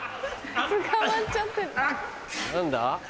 何だ？